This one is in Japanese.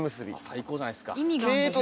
最高じゃないですか。